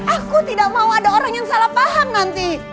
aku tidak mau ada orang yang salah paham nanti